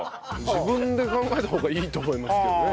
自分で考えた方がいいと思いますけどね。